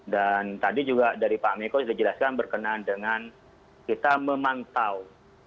tadi juga dari pak miko sudah jelaskan berkenaan dengan kita memantau